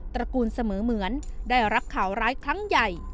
ตระกูลเสมอเหมือนได้รับข่าวร้ายครั้งใหญ่